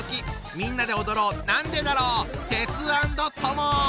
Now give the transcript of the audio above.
みんなで踊ろう「なんでだろう」！